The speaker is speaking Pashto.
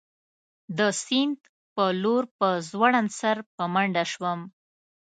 د سیند په لور په ځوړند سر په منډه شوم.